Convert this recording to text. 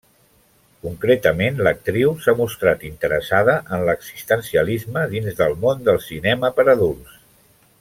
Concretament, l'actriu s'ha mostrat interessada en l'existencialisme dins del món del cinema per adults.